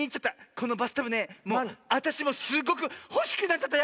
このバスタブねあたしもすっごくほしくなっちゃった